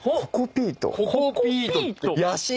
ココピートって。